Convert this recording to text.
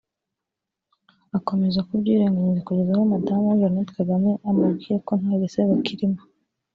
akomeza kubyirengagiza kugeza aho madamu we Jeanette Kagame amubwiriye ko nta gisebo kirimo